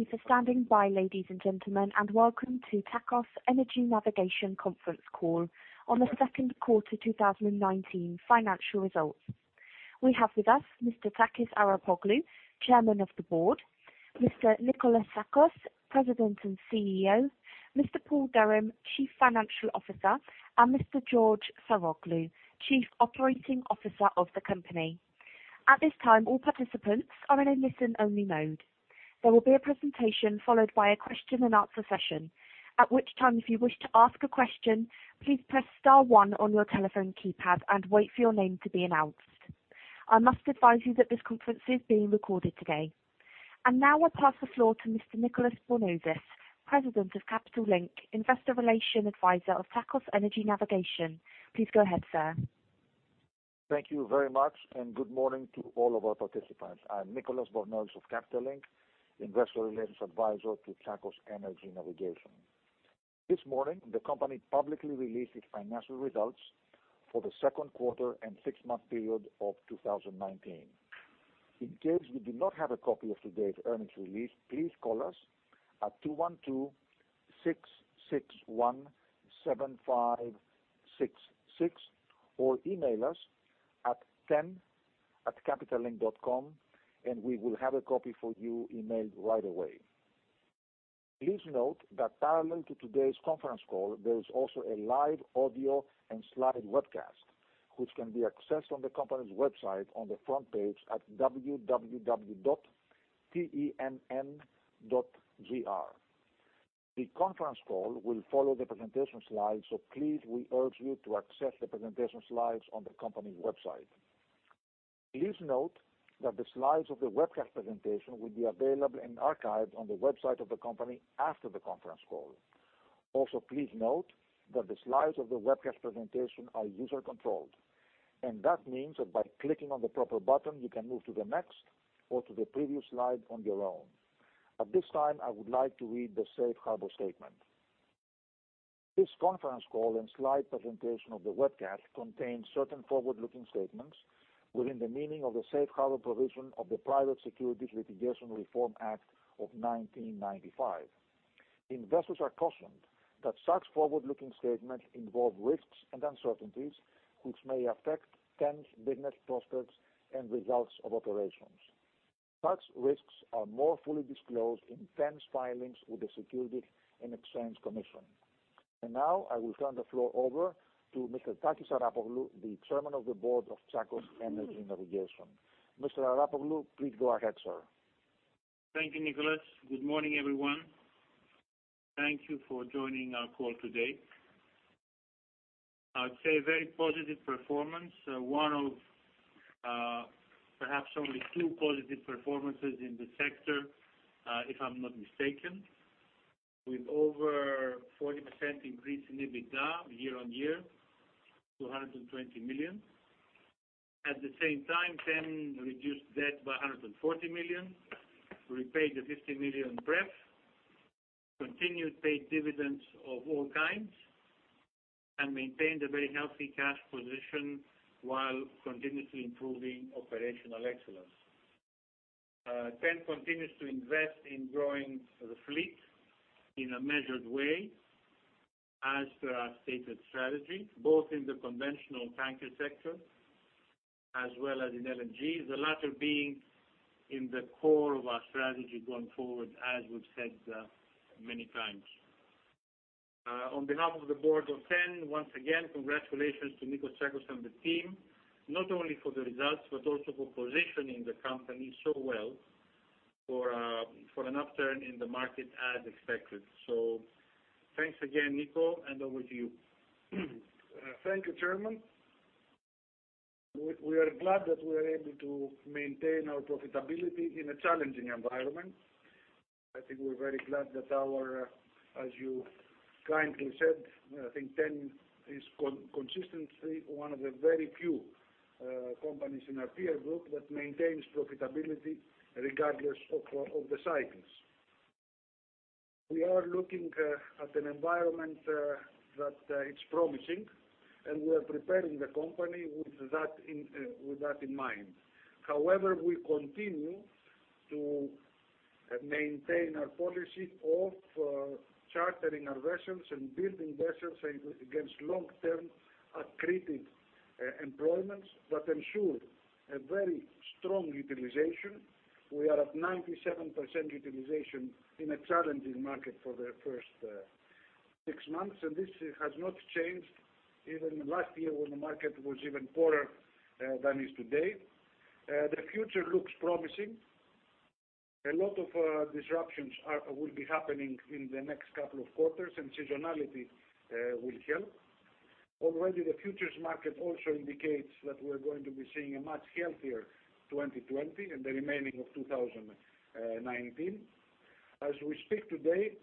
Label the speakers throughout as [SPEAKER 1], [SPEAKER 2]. [SPEAKER 1] Thank you for standing by, ladies and gentlemen, and welcome to Tsakos Energy Navigation conference call on the second quarter 2019 financial results. We have with us Mr. Takis Arapoglou, Chairman of the Board, Mr. Nikolas Tsakos, President and CEO, Mr. Paul Durham, Chief Financial Officer, and Mr. George Saroglou, Chief Operating Officer of the company. At this time, all participants are in a listen-only mode. There will be a presentation followed by a question and answer session. At which time, if you wish to ask a question, please press star 1 on your telephone keypad and wait for your name to be announced. I must advise you that this conference is being recorded today. Now I pass the floor to Mr. Nicolas Bornozis, President of Capital Link, Investor Relation Advisor of Tsakos Energy Navigation. Please go ahead, sir.
[SPEAKER 2] Thank you very much, and good morning to all of our participants. I am Nicolas Bornozis of Capital Link, Investor Relations Advisor to Tsakos Energy Navigation. This morning, the company publicly released its financial results for the second quarter and six-month period of 2019. In case you do not have a copy of today's earnings release, please call us at 212-661-7566 or email us at ten@capitallink.com and we will have a copy for you emailed right away. Please note that parallel to today's conference call, there is also a live audio and slide webcast, which can be accessed on the company's website on the front page at www.tenn.gr. The conference call will follow the presentation slides, so please, we urge you to access the presentation slides on the company's website. Please note that the slides of the webcast presentation will be available in archives on the website of the company after the conference call. Please note that the slides of the webcast presentation are user controlled. That means that by clicking on the proper button, you can move to the next or to the previous slide on your own. At this time, I would like to read the safe harbor statement. This conference call and slide presentation of the webcast contains certain forward-looking statements within the meaning of the safe harbor provision of the Private Securities Litigation Reform Act of 1995. Investors are cautioned that such forward-looking statements involve risks and uncertainties, which may affect TEN's business prospects and results of operations. Such risks are more fully disclosed in TEN's filings with the Securities and Exchange Commission. Now, I will turn the floor over to Mr. Takis Arapoglou, the Chairman of the Board of Tsakos Energy Navigation. Mr. Arapoglou, please go ahead, sir.
[SPEAKER 3] Thank you, Nicolas. Good morning, everyone. Thank you for joining our call today. I would say a very positive performance. One of perhaps only two positive performances in the sector, if I'm not mistaken, with over 40% increase in EBITDA year-over-year to $120 million. At the same time, TEN reduced debt by $140 million, repaid the $50 million PREF, continued to pay dividends of all kinds, and maintained a very healthy cash position while continuously improving operational excellence. TEN continues to invest in growing the fleet in a measured way as per our stated strategy, both in the conventional tanker sector as well as in LNG. The latter being in the core of our strategy going forward, as we've said many times. On behalf of the board of TEN, once again, congratulations to Nikolas Tsakos and the team, not only for the results, but also for positioning the company so well for an upturn in the market as expected. Thanks again, Niko, and over to you.
[SPEAKER 4] Thank you, Chairman. We are glad that we are able to maintain our profitability in a challenging environment. We're very glad that our, as you kindly said, TEN is consistently one of the very few companies in our peer group that maintains profitability regardless of the cycles. We are looking at an environment that is promising, and we are preparing the company with that in mind. However, we continue to maintain our policy of chartering our vessels and building vessels against long-term accretive employments that ensure a very strong utilization. We are at 97% utilization in a challenging market for the first six months, and this has not changed even last year when the market was even poorer than it is today. The future looks promising. A lot of disruptions will be happening in the next couple of quarters and seasonality will help. Already the futures market also indicates that we're going to be seeing a much healthier 2020 and the remaining of 2019. As we speak today,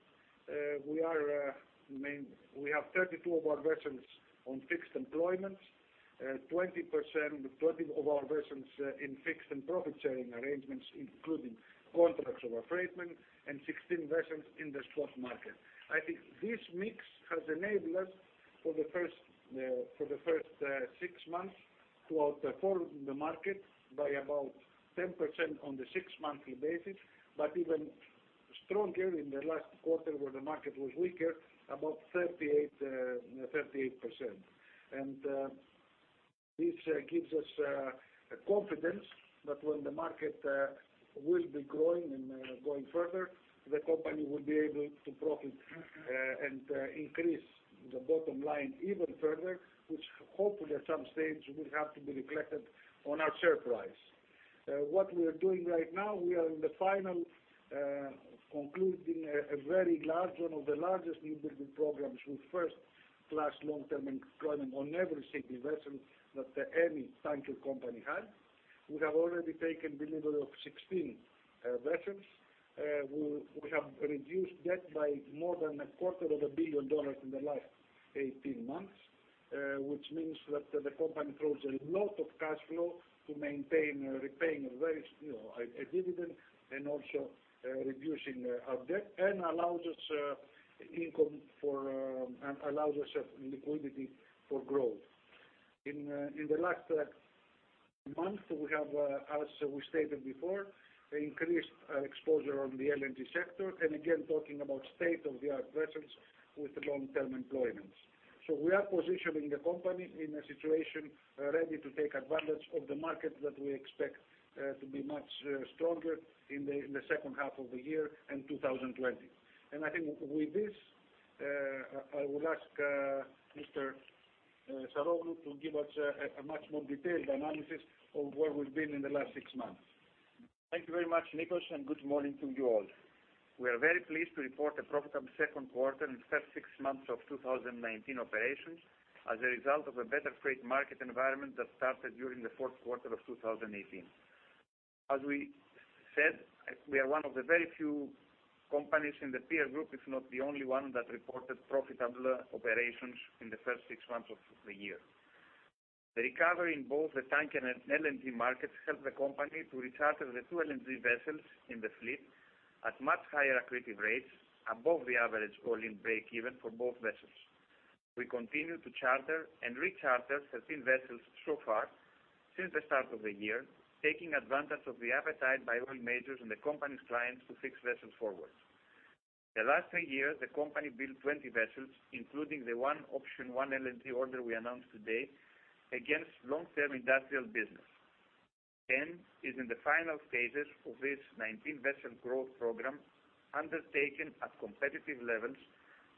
[SPEAKER 4] we have 32 of our vessels on fixed employments, 20 of our vessels in fixed and profit-sharing arrangements, including Contract of Affreightment, and 16 vessels in the spot market. I think this mix has enabled us for the first six months. To outperform the market by about 10% on the six-monthly basis, but even stronger in the last quarter where the market was weaker, about 38%. This gives us confidence that when the market will be growing and going further, the company will be able to profit and increase the bottom line even further, which hopefully at some stage will have to be reflected on our share price. What we are doing right now, we are in the final concluding a very large, one of the largest new building programs with first-class long-term employment on every single vessel that any tanker company had. We have already taken delivery of 16 vessels. We have reduced debt by more than a quarter of a billion dollars in the last 18 months, which means that the company throws a lot of cash flow to maintain, repaying a dividend, and also reducing our debt and allows us income and allows us liquidity for growth. In the last month, we have, as we stated before, increased exposure on the LNG sector and again, talking about state-of-the-art vessels with long-term employments. So we are positioning the company in a situation ready to take advantage of the market that we expect to be much stronger in the second half of the year and 2020. I think with this, I will ask Mr. Saroglou to give us a much more detailed analysis of where we've been in the last six months.
[SPEAKER 5] Thank you very much, Nikos. Good morning to you all. We are very pleased to report a profitable second quarter and first six months of 2019 operations as a result of a better freight market environment that started during the fourth quarter of 2018. As we said, we are one of the very few companies in the peer group, if not the only one, that reported profitable operations in the first six months of the year. The recovery in both the tanker and LNG markets helped the company to re-charter the two LNG vessels in the fleet at much higher accretive rates above the average all-in break even for both vessels. We continue to charter and re-charter 13 vessels so far since the start of the year, taking advantage of the appetite by oil majors and the company's clients to fix vessels forward. The last three years, the company built 20 vessels, including the one Option 1 LNG order we announced today against long-term industrial business. TEN is in the final stages of this 19-vessel growth program undertaken at competitive levels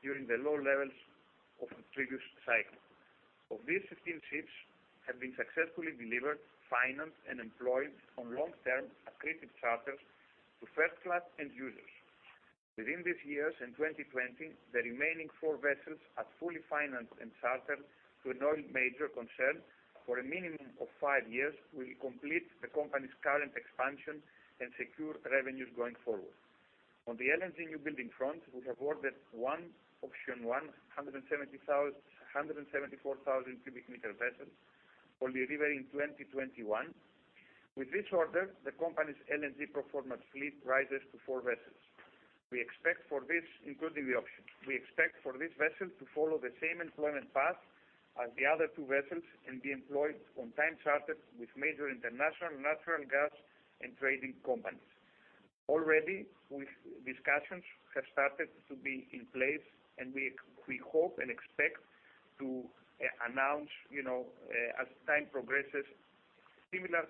[SPEAKER 5] during the low levels of the previous cycle. Of these, 16 ships have been successfully delivered, financed, and employed on long-term accretive charters to first-class end users. Within this year, in 2020, the remaining four vessels are fully financed and chartered to an oil major concern for a minimum of five years will complete the company's current expansion and secure revenues going forward. On the LNG new building front, we have ordered one Option 1, 174,000 cubic meter vessel for delivery in 2021. With this order, the company's LNG proforma fleet rises to four vessels. We expect for this, including the option. We expect for this vessel to follow the same employment path as the other two vessels and be employed on time charters with major international natural gas and trading companies. Already discussions have started to be in place, and we hope and expect to announce, as time progresses, similar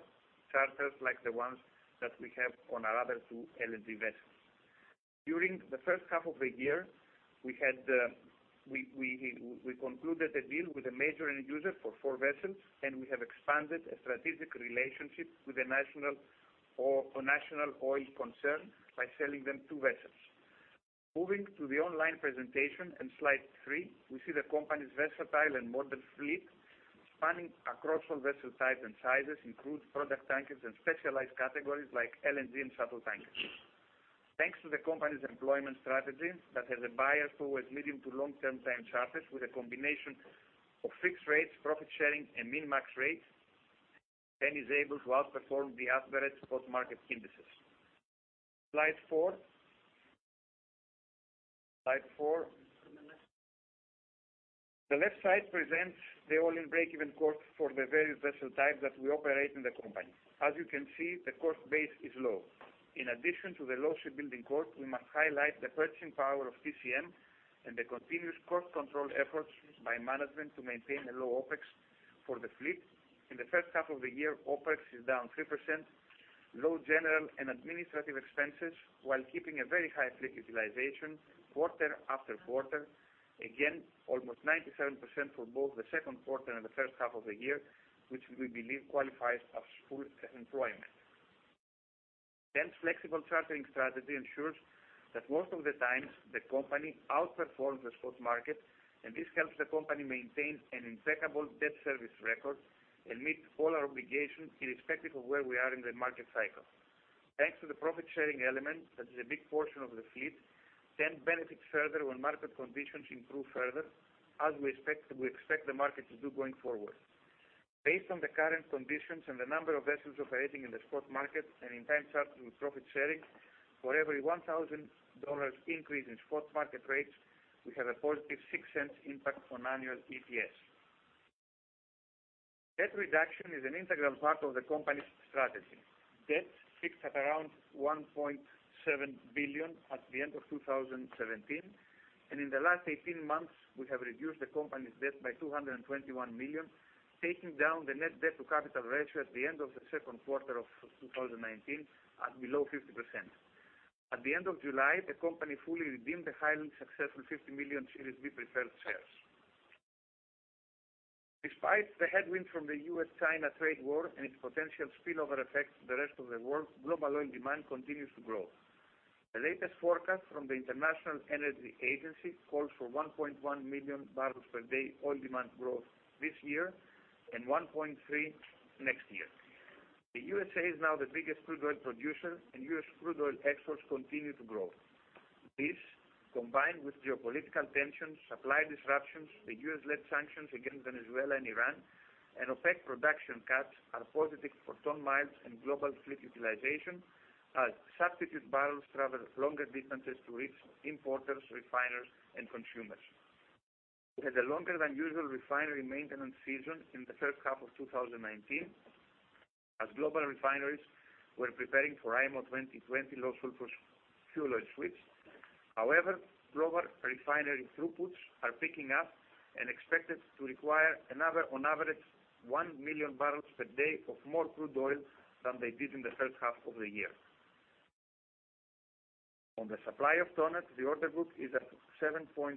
[SPEAKER 5] charters like the ones that we have on our other two LNG vessels. During the first half of the year, we concluded a deal with a major end user for four vessels, and we have expanded a strategic relationship with a national oil concern by selling them two vessels. Moving to the online presentation on slide three, we see the company's versatile and modern fleet spanning across all vessel types and sizes include product tankers and specialized categories like LNG and shuttle tankers. Thanks to the company's employment strategy that has a bias towards medium to long-term time charters with a combination of fixed rates, profit sharing and min-max rates, TEN is able to outperform the average spot market indices. Slide four. The left side presents the all-in break-even cost for the various vessel types that we operate in the company. As you can see, the cost base is low. In addition to the low ship building cost, we must highlight the purchasing power of TCM and the continuous cost control efforts by management to maintain a low OpEx for the fleet. In the first half of the year, OpEx is down 3%, low general and administrative expenses while keeping a very high fleet utilization quarter after quarter. Again, almost 97% for both the second quarter and the first half of the year, which we believe qualifies as full employment. TEN's flexible chartering strategy ensures that most of the times, the company outperforms the spot market, and this helps the company maintain an impeccable debt service record and meet all our obligations irrespective of where we are in the market cycle. Thanks to the profit-sharing element that is a big portion of the fleet, TEN benefits further when market conditions improve further, as we expect the market to do going forward. Based on the current conditions and the number of vessels operating in the spot market and in time charters with profit sharing, for every $1,000 increase in spot market rates, We have a positive $0.06 impact on annual EPS. Debt reduction is an integral part of the company's strategy. Debt fixed at around $1.7 billion at the end of 2017. In the last 18 months, we have reduced the company's debt by $221 million, taking down the net debt to capital ratio at the end of the second quarter of 2019, at below 50%. At the end of July, the company fully redeemed the highly successful $50 million Series B preferred shares. Despite the headwind from the U.S.-China trade war and its potential spillover effects to the rest of the world, global oil demand continues to grow. The latest forecast from the International Energy Agency calls for 1.1 million barrels per day oil demand growth this year and 1.3 next year. The USA is now the biggest crude oil producer, and U.S. crude oil exports continue to grow. This, combined with geopolitical tensions, supply disruptions, the U.S.-led sanctions against Venezuela and Iran, and OPEC production cuts are positive for ton-miles and global fleet utilization as substitute barrels travel longer distances to reach importers, refiners, and consumers. We had a longer than usual refinery maintenance season in the first half of 2019 as global refineries were preparing for IMO 2020 low sulfur fuel oil switch. Global refinery throughputs are picking up and expected to require another, on average, 1 million barrels per day of more crude oil than they did in the first half of the year. On the supply of ton, the order book is at 7.7%,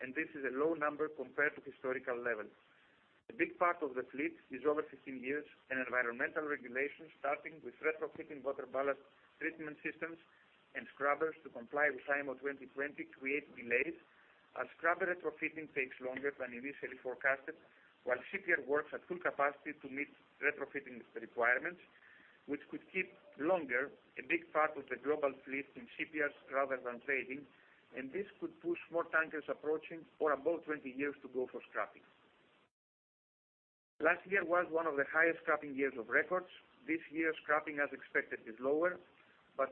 [SPEAKER 5] and this is a low number compared to historical levels. A big part of the fleet is over 15 years, and environmental regulations, starting with retrofitting water ballast treatment systems and scrubbers to comply with IMO 2020 create delays as scrubber retrofitting takes longer than initially forecasted, while shipyard works at full capacity to meet retrofitting requirements, which could keep longer a big part of the global fleet in shipyards rather than trading, and this could push more tankers approaching for about 20 years to go for scrapping. Last year was one of the highest scrapping years of records. This year, scrapping as expected, is lower.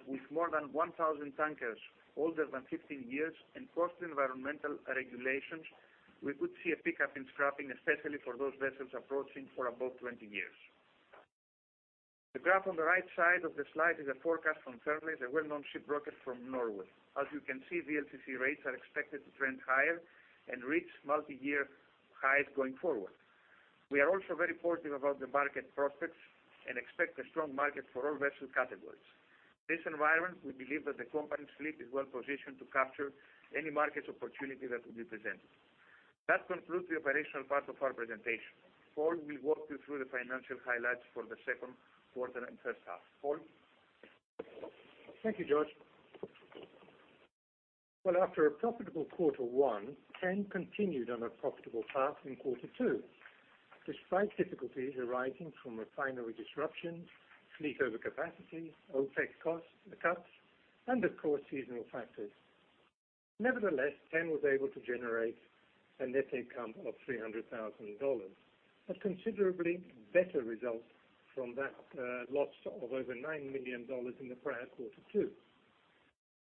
[SPEAKER 5] With more than 1,000 tankers older than 15 years and costly environmental regulations, we could see a pickup in scrapping, especially for those vessels approaching for about 20 years. The graph on the right side of the slide is a forecast from Fearnleys, the well-known shipbroker from Norway. As you can see, VLCC rates are expected to trend higher and reach multiyear highs going forward. We are also very positive about the market prospects and expect a strong market for all vessel categories. In this environment, we believe that the company's fleet is well-positioned to capture any market opportunity that will be presented. That concludes the operational part of our presentation. Paul will walk you through the financial highlights for the second quarter and first half. Paul?
[SPEAKER 6] Thank you, George. After a profitable quarter one, TEN continued on a profitable path in quarter two, despite difficulties arising from refinery disruptions, fleet overcapacity, OPEC cuts, and of course, seasonal factors. Nevertheless, TEN was able to generate a net income of $300,000, a considerably better result from that loss of over $9 million in the prior quarter two.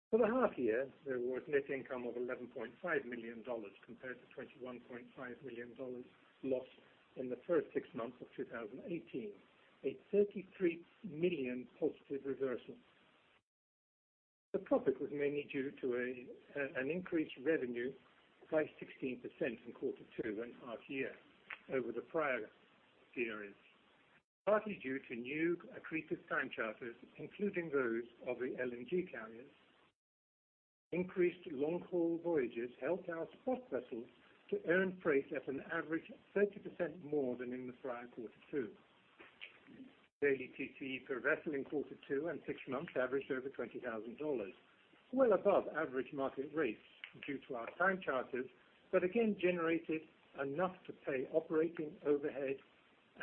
[SPEAKER 6] For the half year, there was net income of $11.5 million compared to $21.5 million loss in the first six months of 2018, a $33 million positive reversal. The profit was mainly due to an increased revenue by 16% in quarter two and half year over the prior periods, partly due to new accretive time charters, including those of the LNG carriers. Increased long-haul voyages helped our spot vessels to earn freight at an average 30% more than in the prior quarter two. Daily TC per vessel in quarter two and six months averaged over $20,000, well above average market rates due to our time charters, again generated enough to pay operating overheads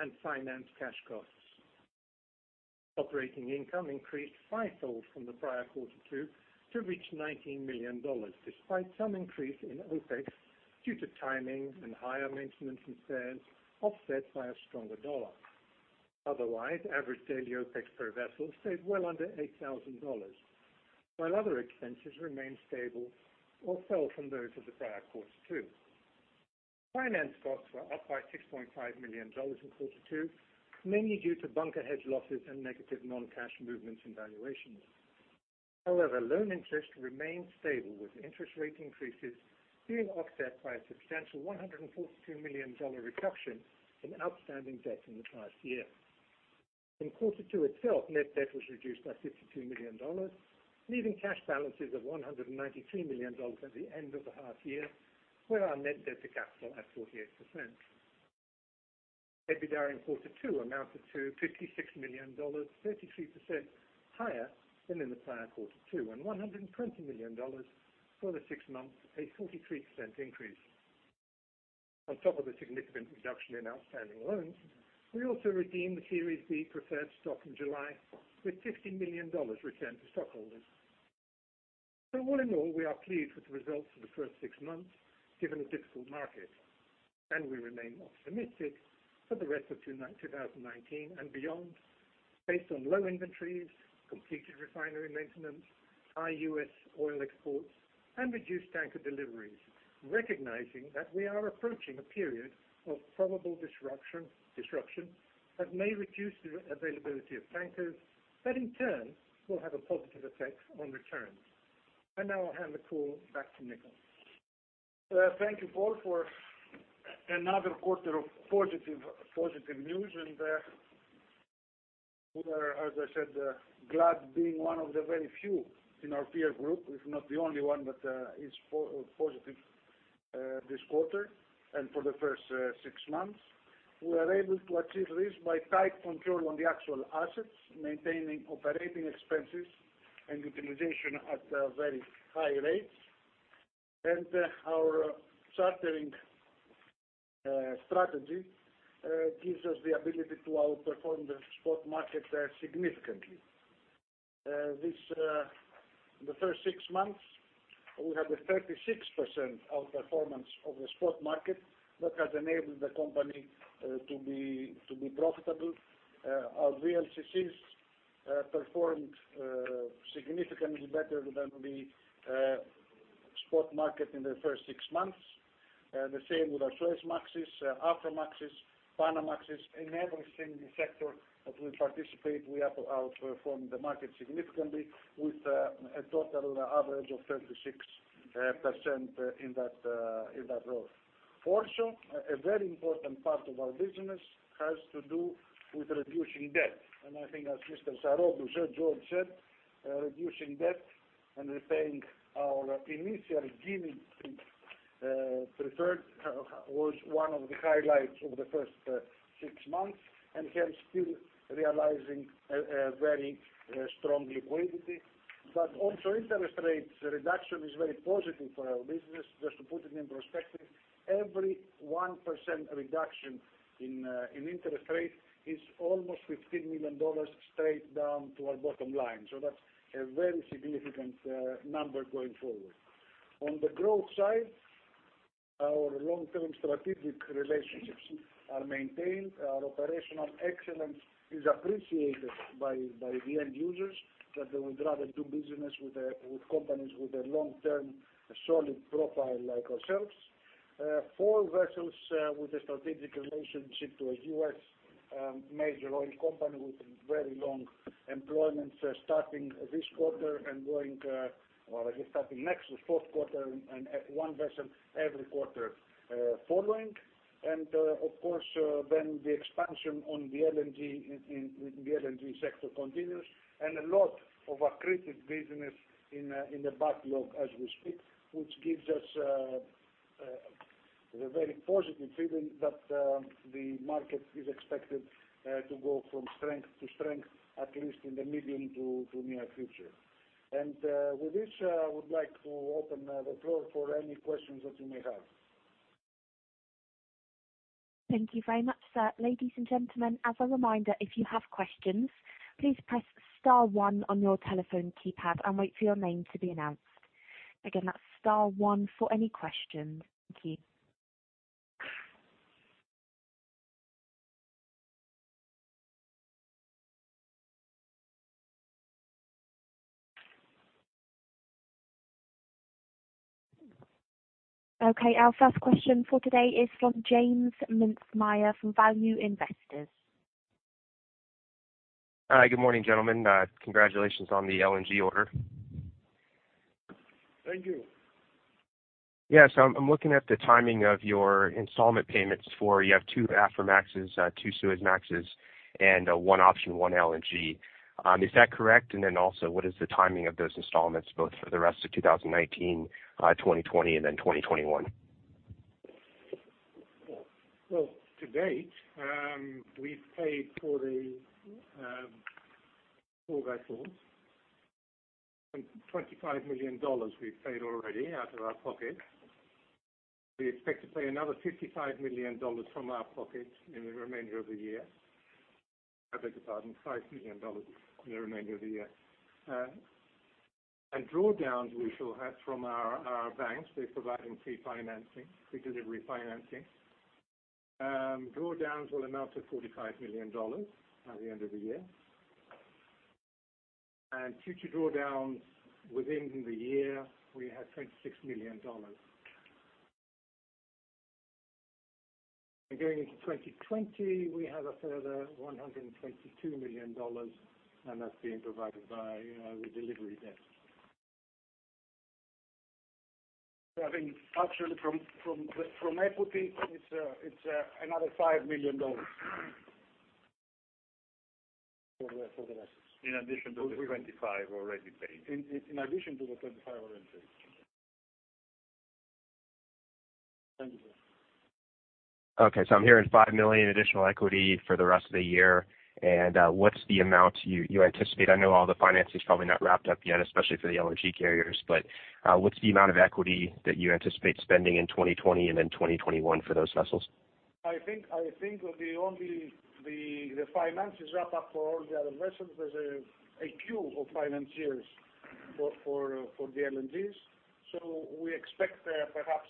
[SPEAKER 6] and finance cash costs. Operating income increased fivefold from the prior quarter two to reach $19 million, despite some increase in OpEx due to timing and higher maintenance and spares offset by a stronger dollar. Otherwise, average daily OpEx per vessel stayed well under $8,000, while other expenses remained stable or fell from those of the prior quarter two. Finance costs were up by $6.5 million in quarter two, mainly due to bunker hedge losses and negative non-cash movements and valuations. Loan interest remained stable, with interest rate increases being offset by a substantial $142 million reduction in outstanding debt in the past year. In quarter two itself, net debt was reduced by $52 million, leaving cash balances of $193 million at the end of the half year, with our net debt to capital at 48%. EBITDA in quarter two amounted to $56 million, 33% higher than in the prior quarter two, and $120 million for the six months, a 43% increase. On top of the significant reduction in outstanding loans, we also redeemed the Series B preferred stock in July with $50 million returned to stockholders. All in all, we are pleased with the results for the first six months, given the difficult market. We remain optimistic for the rest of 2019 and beyond based on low inventories, completed refinery maintenance, high U.S. oil exports, and reduced tanker deliveries. Recognizing that we are approaching a period of probable disruption that may reduce the availability of tankers that in turn will have a positive effect on returns. Now I'll hand the call back to Nikolas.
[SPEAKER 4] Thank you, Paul, for another quarter of positive news. We are, as I said, glad being one of the very few in our peer group, if not the only one that is positive this quarter and for the first six months. We were able to achieve this by tight control on the actual assets, maintaining operating expenses and utilization at very high rates. Our chartering strategy gives us the ability to outperform the spot market significantly. The first six months, we had a 36% outperformance of the spot market that has enabled the company to be profitable. Our VLCCs performed significantly better than the spot market in the first six months. The same with our Suezmaxes, Aframax, Panamax. In every single sector that we participate, we have outperformed the market significantly with a total average of 36% in that role. A very important part of our business has to do with reducing debt. I think as Mr. Saroglou said, George said, reducing debt and repaying our initial [gimmick preferred] was one of the highlights of the first six months, and we are still realizing a very strong liquidity. Also interest rates reduction is very positive for our business. Just to put it in perspective, every 1% reduction in interest rate is almost $15 million straight down to our bottom line. That's a very significant number going forward. On the growth side, our long-term strategic relationships are maintained. Our operational excellence is appreciated by the end users, that they would rather do business with companies with a long-term, solid profile like ourselves. Four vessels with a strategic relationship to a U.S. major oil company with very long employments starting this quarter and going Well, I guess starting next or fourth quarter and one vessel every quarter following. Of course, then the expansion on the LNG sector continues. A lot of accreted business in the backlog as we speak, which gives us a very positive feeling that the market is expected to go from strength to strength, at least in the medium to near future. With this, I would like to open the floor for any questions that you may have.
[SPEAKER 1] Thank you very much, sir. Ladies and gentlemen, as a reminder, if you have questions, please press star one on your telephone keypad and wait for your name to be announced. Again, that's star one for any questions. Thank you. Okay, our first question for today is from J Mintzmyer from Value Investor's Edge.
[SPEAKER 7] Hi. Good morning, gentlemen. Congratulations on the LNG order.
[SPEAKER 4] Thank you.
[SPEAKER 7] Yeah. I'm looking at the timing of your installment payments for, you have 2 Aframax, 2 Suezmaxes, and 1 option 1 LNG. Is that correct? What is the timing of those installments, both for the rest of 2019, 2020, and then 2021?
[SPEAKER 6] Well, to date, we've paid for the four vessels. $25 million we've paid already out of our pocket. We expect to pay another $55 million from our pocket in the remainder of the year. I beg your pardon, $5 million in the remainder of the year. Drawdowns we shall have from our banks. They're providing pre-financing, pre-delivery financing. Drawdowns will amount to $45 million at the end of the year. Future drawdowns within the year, we have $26 million. Going into 2020, we have a further $122 million, and that's being provided by the delivery dates.
[SPEAKER 4] I think actually from equity, it's another $5 million for the vessels.
[SPEAKER 6] In addition to the $25 already paid.
[SPEAKER 4] In addition to the 25 already paid. Thank you.
[SPEAKER 7] Okay. I'm hearing $5 million additional equity for the rest of the year. What's the amount you anticipate? I know all the finance is probably not wrapped up yet, especially for the LNG carriers. What's the amount of equity that you anticipate spending in 2020 and then 2021 for those vessels?
[SPEAKER 4] I think the finances wrap up for all the other vessels. There's a queue of financiers for the LNGs. We expect perhaps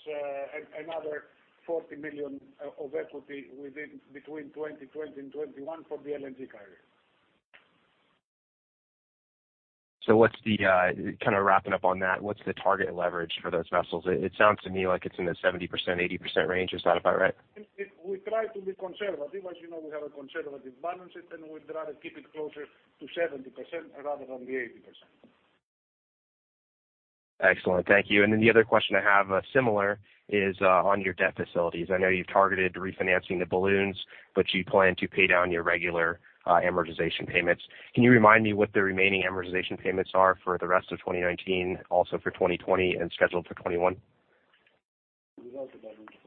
[SPEAKER 4] another $40 million of equity between 2020 and 2021 for the LNG carriers.
[SPEAKER 7] Wrapping up on that, what's the target leverage for those vessels? It sounds to me like it's in the 70%, 80% range. Is that about right?
[SPEAKER 4] We try to be conservative. As you know, we have a conservative balance sheet, and we'd rather keep it closer to 70% rather than the 80%.
[SPEAKER 7] Excellent. Thank you. The other question I have similar is on your debt facilities. I know you've targeted refinancing the balloons, you plan to pay down your regular amortization payments. Can you remind me what the remaining amortization payments are for the rest of 2019, also for 2020, and scheduled for 2021?
[SPEAKER 6] You have the balance sheet.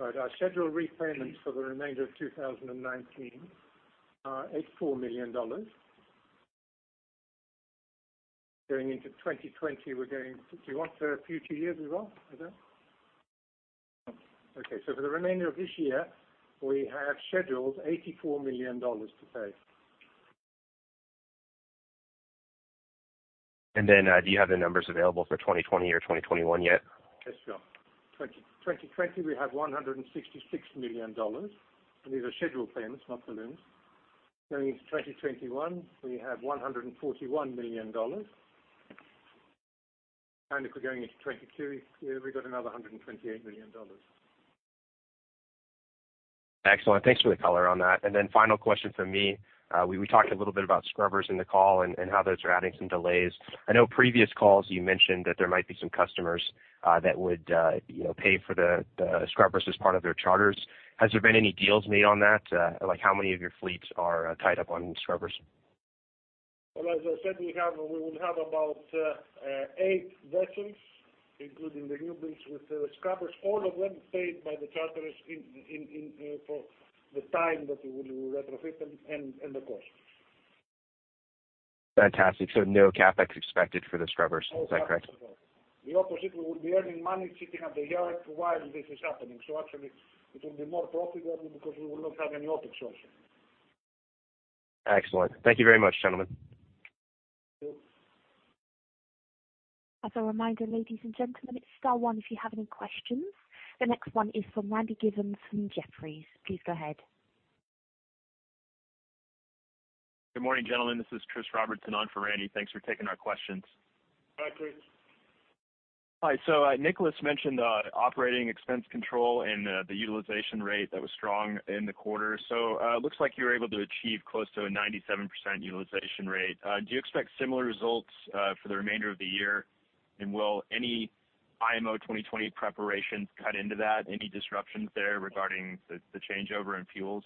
[SPEAKER 6] All right. Our scheduled repayments for the remainder of 2019 are $84 million. Do you want the future years as well? Is that? Okay. For the remainder of this year, we have scheduled $84 million to pay.
[SPEAKER 7] Do you have the numbers available for 2020 or 2021 yet?
[SPEAKER 6] Yes, John. 2020, we have $166 million. These are scheduled payments, not balloons. Going into 2021, we have $141 million. If we're going into 2022, we've got another $128 million.
[SPEAKER 7] Excellent. Thanks for the color on that. Then final question from me. We talked a little bit about scrubbers in the call and how those are adding some delays. I know previous calls you mentioned that there might be some customers that would pay for the scrubbers as part of their charters. Has there been any deals made on that? How many of your fleets are tied up on scrubbers?
[SPEAKER 4] Well, as I said, we will have about eight vessels, including the new builds with the scrubbers, all of them paid by the charterers for the time that we will retrofit them and the cost.
[SPEAKER 7] Fantastic. No CapEx expected for the scrubbers. Is that correct?
[SPEAKER 4] No CapEx at all. The opposite, we will be earning money sitting at the yard while this is happening. Actually, it will be more profitable because we will not have any OpEx also.
[SPEAKER 7] Excellent. Thank you very much, gentlemen.
[SPEAKER 4] Thank you.
[SPEAKER 1] As a reminder, ladies and gentlemen, it's star 1 if you have any questions. The next one is from Randy Giveans from Jefferies. Please go ahead.
[SPEAKER 8] Good morning, gentlemen. This is Chris Robertson on for Randy. Thanks for taking our questions.
[SPEAKER 4] Hi, Chris.
[SPEAKER 8] Hi. Nikolas mentioned operating expense control and the utilization rate that was strong in the quarter. Looks like you were able to achieve close to a 97% utilization rate. Do you expect similar results for the remainder of the year? Will any IMO 2020 preparations cut into that? Any disruptions there regarding the changeover in fuels?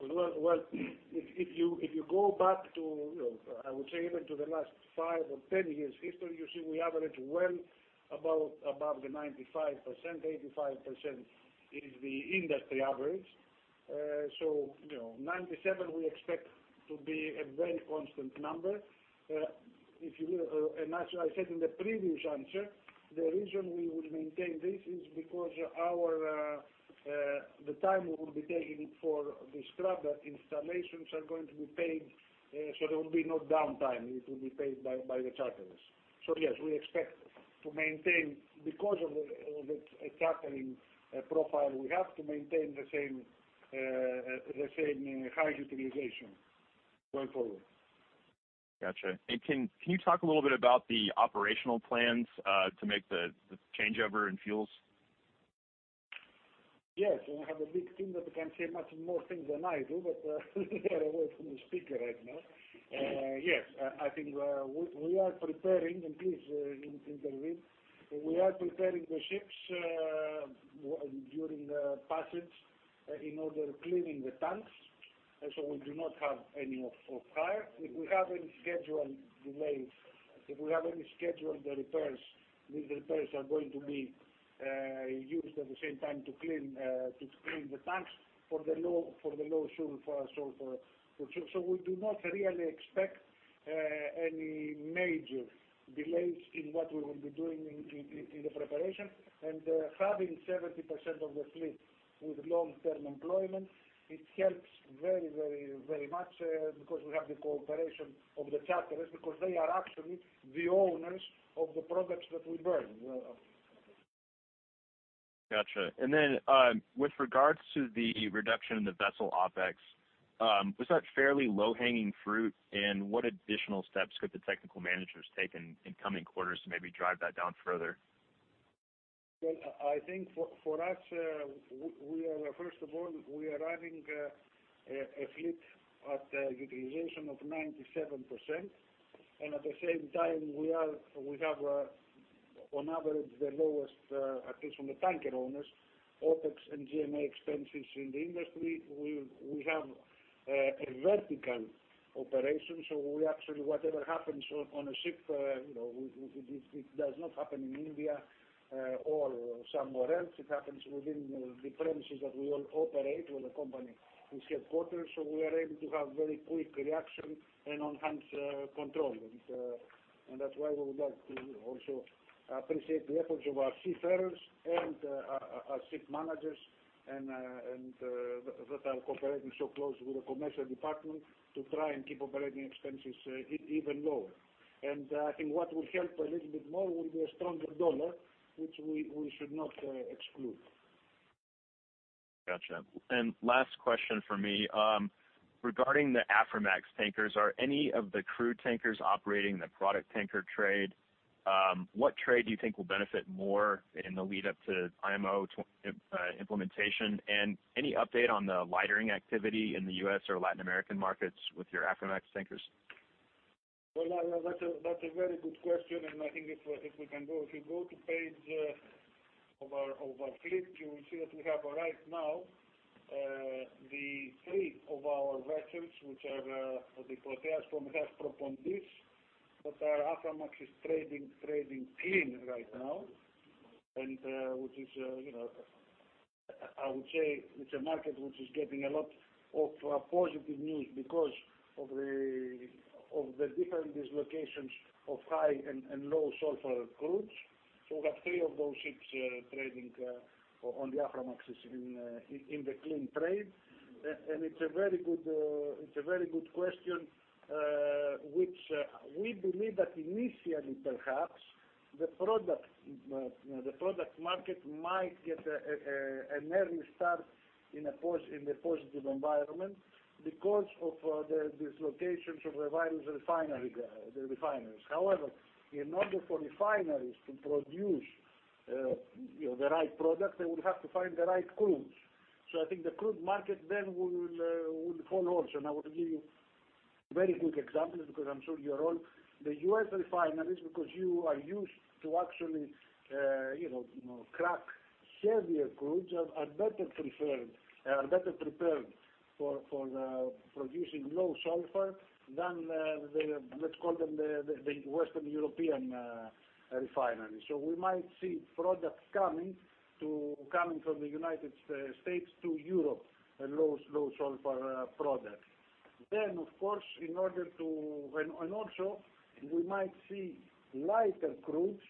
[SPEAKER 4] Well, if you go back to, I would say even to the last five or 10 years history, you see we average well above the 95%. 85% is the industry average. 97% we expect to be a very constant number. As I said in the previous answer, the reason we would maintain this is because the time we will be taking for the scrubber installations are going to be paid, so there will be no downtime. It will be paid by the charterers. Yes, we expect to maintain, because of the chartering profile we have, to maintain the same high utilization going forward.
[SPEAKER 8] Got you. Can you talk a little bit about the operational plans to make the changeover in fuels?
[SPEAKER 4] We have a big team that can say much more things than I do, but they are away from the speaker right now. I think we are preparing, please intervene. We are preparing the ships during the passage in order cleaning the tanks, we do not have any off hire. If we have any scheduled delays, if we have any scheduled repairs, these repairs are going to be used at the same time to clean the tanks for the low sulfur. We do not really expect any major delays in what we will be doing in the preparation. Having 70% of the fleet with long-term employment, it helps very much because we have the cooperation of the charterers because they are actually the owners of the products that we burn.
[SPEAKER 8] Got you. With regards to the reduction in the vessel OpEx, was that fairly low-hanging fruit? What additional steps could the technical managers take in coming quarters to maybe drive that down further?
[SPEAKER 4] I think for us, first of all, we are running a fleet at utilization of 97%. At the same time, we have on average the lowest, at least from the tanker owners, OpEx and G&A expenses in the industry. We have a vertical operations. Actually whatever happens on a ship, it does not happen in India or somewhere else. It happens within the premises that we all operate where the company is headquartered. That's why we would like to also appreciate the efforts of our seafarers and our ship managers that are cooperating so closely with the commercial department to try and keep operating expenses even lower. I think what will help a little bit more will be a stronger dollar, which we should not exclude.
[SPEAKER 8] Got you. Last question from me. Regarding the Aframax tankers, are any of the crude tankers operating in the product tanker trade? What trade do you think will benefit more in the lead up to IMO implementation? Any update on the lightering activity in the U.S. or Latin American markets with your Aframax tankers?
[SPEAKER 4] Well, that's a very good question, and I think if we can go to page of our clip, you will see that we have right now, the three of our vessels, which are the Proteas, Prometheus, Propontis, that our Aframax is trading clean right now. I would say it's a market which is getting a lot of positive news because of the different dislocations of high and low sulfur crudes. We have three of those ships trading on the Aframax in the clean trade. It's a very good question, which we believe that initially perhaps the product market might get an early start in the positive environment because of the dislocations of the various refineries. In order for refineries to produce the right product, they would have to find the right crudes. I think the crude market then will follow suit. I want to give you a very quick example because I'm sure you are all the U.S. refineries, because you are used to actually crack heavier crudes, are better prepared for producing low sulfur than the, let's call them, the Western European refineries. We might see products coming from the United States to Europe, low sulfur products. Also we might see lighter crudes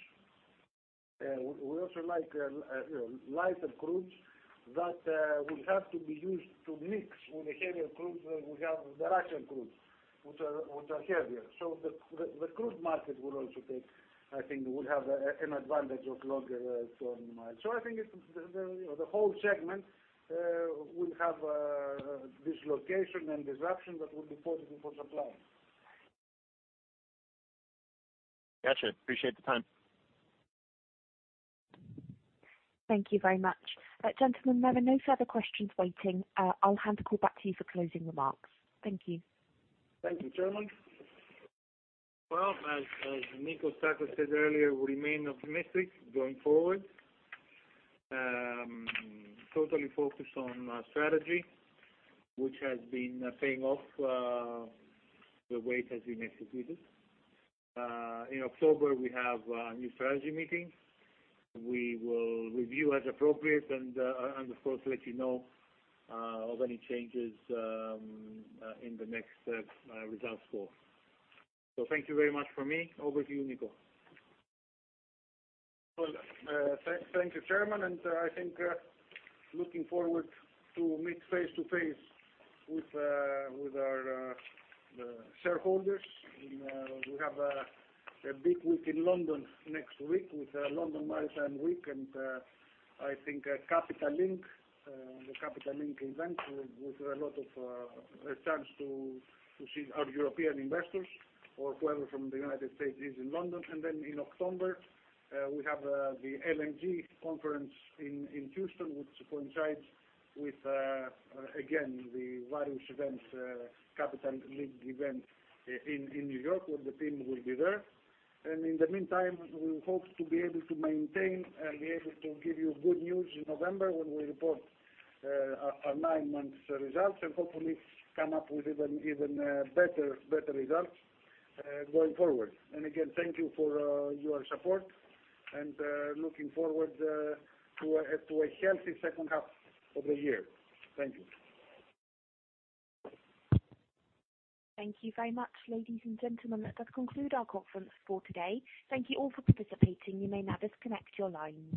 [SPEAKER 4] that will have to be used to mix with the heavier crudes that we have, the Russian crudes, which are heavier. The crude market I think will have an advantage of longer term. I think the whole segment will have a dislocation and disruption that will be positive for supply.
[SPEAKER 8] Got you. Appreciate the time.
[SPEAKER 1] Thank you very much. Gentlemen, there are no further questions waiting. I'll hand the call back to you for closing remarks. Thank you.
[SPEAKER 4] Thank you, Chairman.
[SPEAKER 3] Well, as Nikos Tsakos said earlier, we remain optimistic going forward. Totally focused on strategy, which has been paying off the way it has been executed. In October, we have a new strategy meeting. We will review as appropriate and, of course, let you know of any changes in the next results call. Thank you very much from me. Over to you, Niko.
[SPEAKER 4] Thank you, chairman. I think looking forward to meet face-to-face with our shareholders. We have a big week in London next week with the London International Shipping Week. I think the Capital Link event with a lot of chance to see our European investors or whoever from the United States is in London. In October, we have the LNG conference in Houston, which coincides with, again, the various events, Capital Link event in New York, where the team will be there. In the meantime, we hope to be able to maintain and be able to give you good news in November when we report our nine months results and hopefully come up with even better results going forward. Again, thank you for your support and looking forward to a healthy second half of the year. Thank you.
[SPEAKER 1] Thank you very much, ladies and gentlemen. That concludes our conference call today. Thank you all for participating. You may now disconnect your lines.